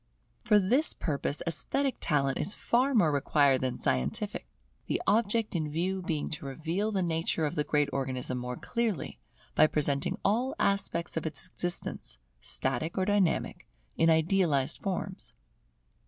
For this purpose esthetic talent is far more required than scientific, the object in view being to reveal the nature of the great Organism more clearly, by presenting all aspects of its existence, static or dynamic, in idealized forms.